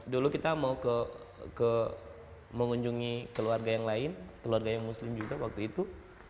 dulu kita mau mengunjungi keluarga yang lain keluarga yang muslim juga waktu itu